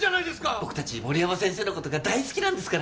僕たち森山先生の事が大好きなんですから。